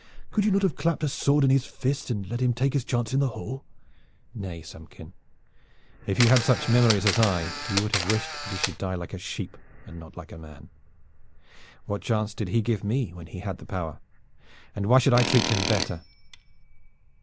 "Could you not have clapped a sword in his fist and let him take his chance in the hall?" "Nay, Samkin, if you had such memories as I, you would have wished that he should die like a sheep and not like a man. What chance did he give me when he had the power? And why should I treat him better?